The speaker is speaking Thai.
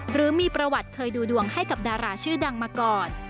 หรือมีประวัติเคยดูดวงให้กับดาราชื่อดังมาก่อน